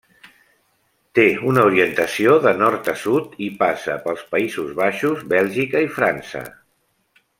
Té una orientació de nord a sud i passa pels Països Baixos, Bèlgica i França.